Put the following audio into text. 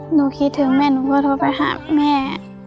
หนูคิดถึงแม่หนูก็โทรไปหาแม่